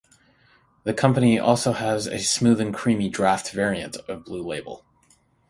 The company also has a "Smooth 'n' Creamy" draught variant of Blue Label.